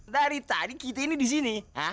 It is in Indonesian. dari tadi kita ini di sini